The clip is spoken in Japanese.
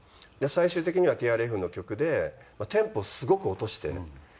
最終的にはＴＲＦの曲でテンポをすごく落としてね。